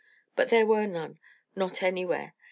But there were none not anywhere.